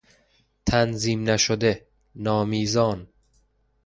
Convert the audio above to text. تنظیم نشده، نامیزان